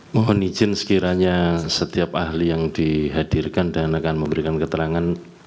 mohon izin sekiranya setiap ahli yang dihadirkan dan akan memberikan keterangan